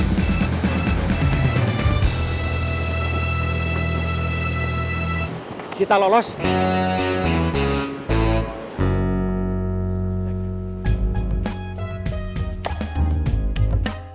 kamu punya nomor hp usep gak